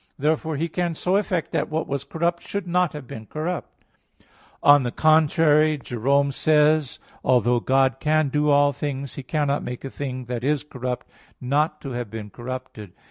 Therefore He can so effect that what was corrupt should not have been corrupt. On the contrary, Jerome says (Ep. 22 ad Eustoch.): "Although God can do all things, He cannot make a thing that is corrupt not to have been corrupted."